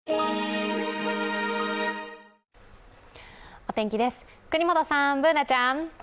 お天気です、國本さんＢｏｏｎａちゃん。